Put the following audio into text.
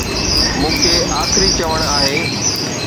مون کي آخري چوڻ آهي.